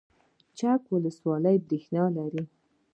چک ولسوالۍ بریښنا لري؟